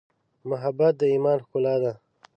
محبت د ایمان ښکلا ده.